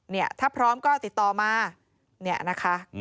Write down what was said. เนี่ยถ้าพร้อมก็ติดต่อมาเนี่ยนะคะ